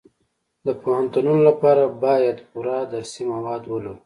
د پوهنتونونو لپاره باید پوره درسي مواد ولرو